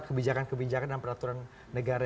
kebijakan kebijakan dan peraturan negara